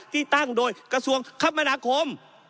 ที่ตั้งโดยกสวงคัมมณาคม